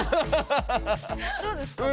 どうですか？